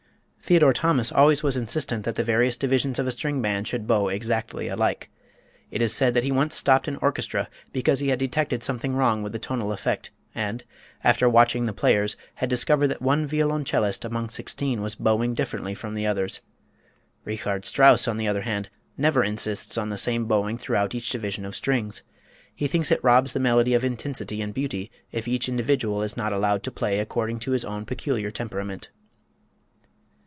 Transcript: Theodore Thomas always was insistent that the various divisions of a string band should bow exactly alike. It is said that he once stopped an orchestra because he had detected something wrong with the tonal effect, and, after watching the players, had discovered that one violoncellist among sixteen was bowing differently from the others. Richard Strauss, on the other hand, never insists on the same bowing throughout each division of strings. He thinks it robs the melody of intensity and beauty if each individual is not allowed to play according to his own peculiar temperament.